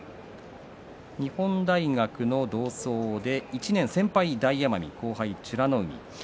日本大学の同窓で１年先輩に大奄美、後輩美ノ海。